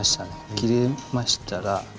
切れましたら。